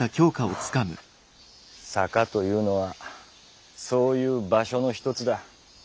「坂」というのはそういう「場所」の一つだ。